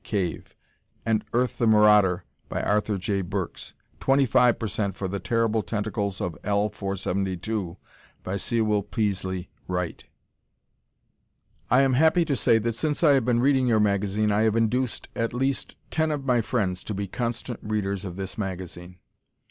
Cave and "Earth, The Marauder," by Arthur J. Burks; 25% for "The Terrible Tentacles of L 472," by Sewell Peaslee Wright. I am happy to say that since I have been reading your magazine, I have induced at least ten of my friends to be constant readers of this magazine.